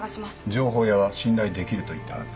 情報屋は信頼できると言ったはずだ。